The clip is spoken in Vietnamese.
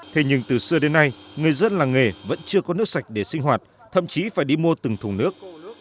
thế nhưng từ xưa đến nay người dân làng nghề vẫn chưa có nước sạch để sinh hoạt thậm chí phải đi mua từng thùng nước